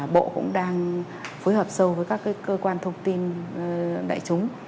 bộ cũng đang phối hợp sâu với các cơ quan thông tin đại chúng